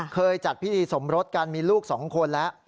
เคยจัดพิธีสมรสการมีลูกสองคนแล้ว